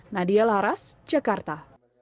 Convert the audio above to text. nadia laras jakarta